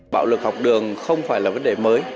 bạo lực học đường không phải là vấn đề mới